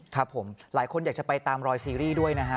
ครับผมหลายคนอยากจะไปตามรอยซีรีส์ด้วยนะฮะ